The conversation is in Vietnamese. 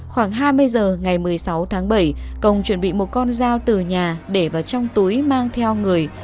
khoảng hai mươi giờ ngày một mươi sáu tháng bảy công chuẩn bị một con dao từ nhà để vào trong túi mang theo người